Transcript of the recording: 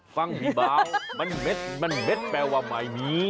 ฟังพี่เบามันเม็ดมันเม็ดแปลว่าไม่มี